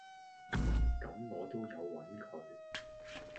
咁我都有搵佢